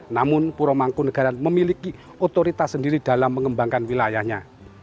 namun pura mangkunegaran memiliki otoritas sendiri dalam mengembangkan wilayahnya